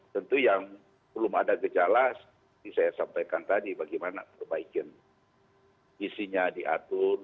tentu yang belum ada gejala seperti saya sampaikan tadi bagaimana perbaikin isinya diatur